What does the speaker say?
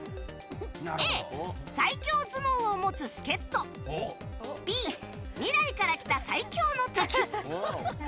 Ａ、最強頭脳を持つ助っ人Ｂ、未来から来た最強の敵。